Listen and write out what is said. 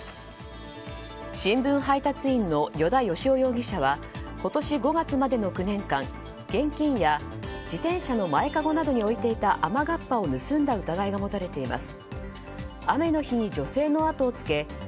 新聞配達員の依田淑雄容疑者は今年５月までの９年間現金や自転車の前かごなどに置いていた雨がっぱを盗んだ疑いが持たれています。